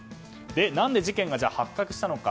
何で事件が発覚したのか。